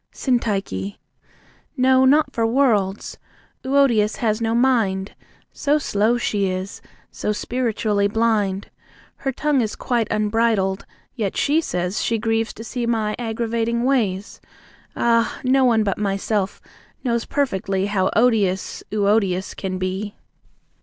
SYNTYCHE. No, not for worlds! Euodias has no mind; So slow she is, so spiritually blind. Her tongue is quite unbridled, yet she says She grieves to see my aggravating ways Ah, no one but myself knows perfectly How odious Euodias can be!